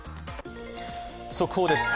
速報です。